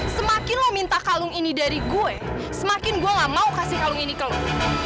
semakin lo minta kalung ini dari gue semakin gua enggak mau kasih kalau ini kalau